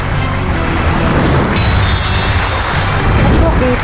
ตอบถูก๓ข้อรับ๑๐๐๐๐๐๐บาท